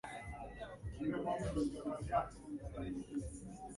Kata ina wakazi wapatao elfu saba na mia tisa